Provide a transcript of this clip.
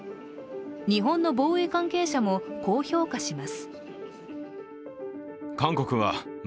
日本の防衛関係者も、こう評価します。